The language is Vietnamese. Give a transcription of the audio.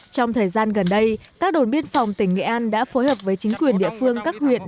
trong thời gian gần đây các đồn biên phòng tỉnh nghệ an đã phối hợp với chính quyền địa phương các huyện